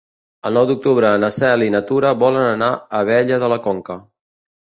El nou d'octubre na Cel i na Tura volen anar a Abella de la Conca.